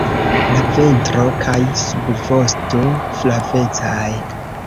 La ventro kaj subvosto flavecaj.